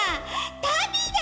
たびだ！